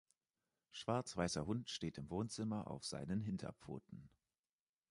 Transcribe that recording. Schwarz-weißer Hund steht im Wohnzimmer auf seinen Hinterpfoten.